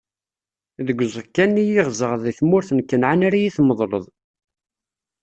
Deg uẓekka-nni i ɣzeɣ di tmurt n Kanɛan ara yi-tmeḍleḍ.